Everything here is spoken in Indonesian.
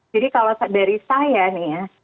jadi kalau dari saya nih ya